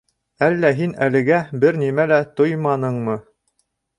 Әллә һин әлегә бер нимә лә тойманыңмы?